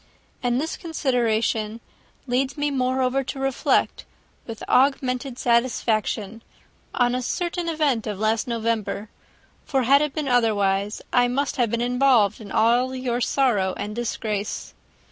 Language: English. And this consideration leads me, moreover, to reflect, with augmented satisfaction, on a certain event of last November; for had it been otherwise, I must have been involved in all your sorrow and disgrace.